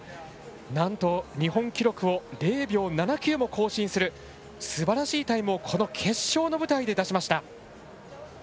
なんと、日本記録を０秒７９も更新するすばらしいタイムをこの決勝の舞台で出しました。